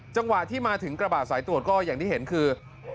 จังหวะที่มาถึงกระบาดสายตรวจก็อย่างที่เห็นคือ